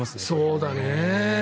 そうだね。